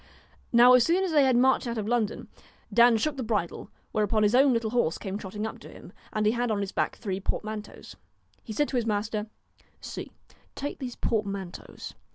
Now as soon as they had marched out of London, Dan shook the bridle, whereupon his own little horse came trotting up to him, and he had on his back three portmanteaus. He said to his master :* See, take these portmanteaus.